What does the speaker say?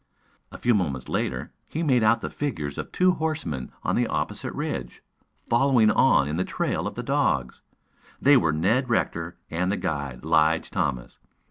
A few moments later, he made out the figures of two horsemen on the opposite ridge, following on in the trail of the dogs. They were Ned Rector and the guide, Lige Thomas.